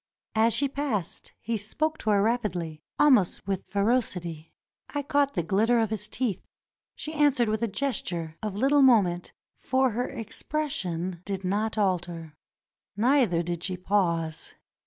As she passed he spoke to her rapidly, almost with ferocity. I caught the glitter of his teeth. She answered with a gesture, of little moment, for her expression did not alter, neither did she pause.